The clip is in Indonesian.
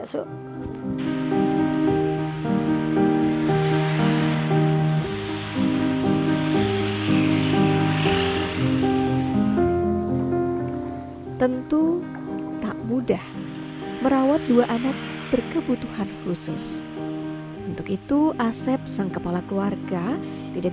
sudah pasti dengan anak surga ya